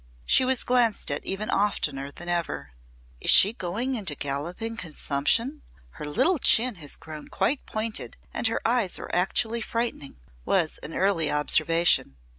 She was glanced at even oftener than ever. "Is she going into galloping consumption? Her little chin has grown quite pointed and her eyes are actually frightening," was an early observation.